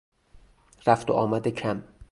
رفت و آمد کم